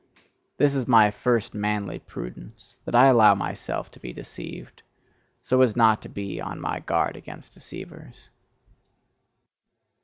This is my first manly prudence, that I allow myself to be deceived, so as not to be on my guard against deceivers.